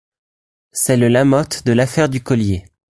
C’est le Lamothe de l’affaire du collier.